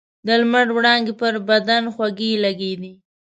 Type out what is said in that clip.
د لمر وړانګې پر بدن خوږې لګېدې.